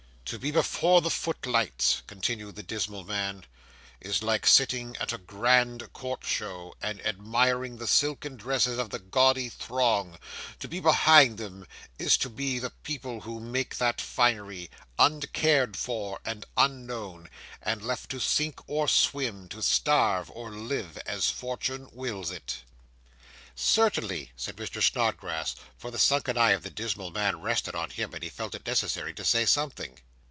'To be before the footlights,' continued the dismal man, 'is like sitting at a grand court show, and admiring the silken dresses of the gaudy throng; to be behind them is to be the people who make that finery, uncared for and unknown, and left to sink or swim, to starve or live, as fortune wills it.' 'Certainly,' said Mr. Snodgrass: for the sunken eye of the dismal man rested on him, and he felt it necessary to say something.